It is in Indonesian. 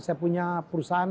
saya punya perusahaan